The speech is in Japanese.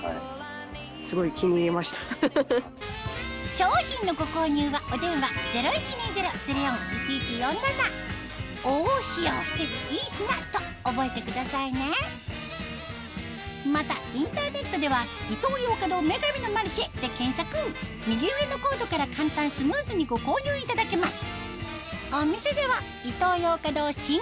商品のご購入はお電話０１２０−０４−１１４７と覚えてくださいねまたインターネットでは右上のコードから簡単スムーズにご購入いただけます